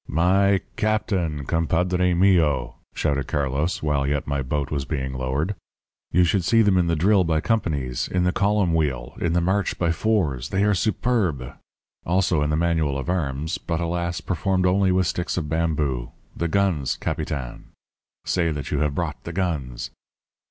"'My Captain compadre mio!' shouted Carlos, while yet my boat was being lowered. 'You should see them in the drill by companies in the column wheel in the march by fours they are superb! Also in the manual of arms but, alas! performed only with sticks of bamboo. The guns, capitan say that you have brought the guns!'